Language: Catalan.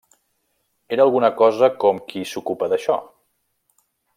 Era alguna cosa com qui s'ocupa d'això?